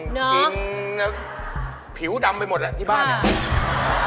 ตีนผิวดำไปหมดเลยที่บ้านครับ